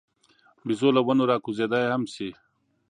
بیزو له ونو راکوزېدای هم شي.